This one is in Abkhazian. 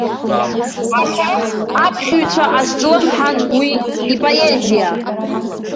Аха аԥхьаҩцәа азҿлымҳан уи ипоезиа.